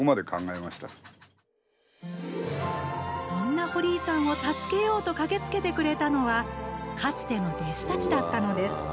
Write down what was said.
そんな堀井さんを助けようと駆けつけてくれたのはかつての弟子たちだったのです。